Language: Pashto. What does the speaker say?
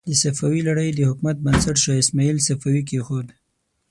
د صفوي لړۍ د حکومت بنسټ شاه اسماعیل صفوي کېښود.